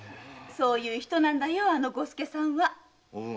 そういう人なんだよ伍助さんは。